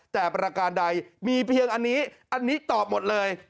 แต่ประการใดมีเพียงอันนี้อันนี้ตอบหมดเลย